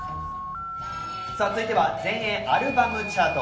続いては全英アルバムチャート。